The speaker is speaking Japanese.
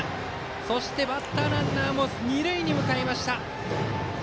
そしてバッターランナーも二塁へ行きました。